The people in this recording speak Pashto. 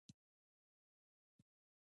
تودوخه د افغانستان د شنو سیمو ښکلا ده.